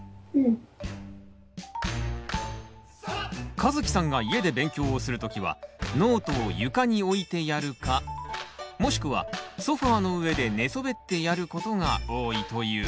かずきさんが家で勉強をする時はノートを床に置いてやるかもしくはソファーの上で寝そべってやることが多いという。